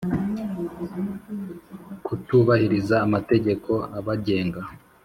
kutubahiriza amategeko abagenga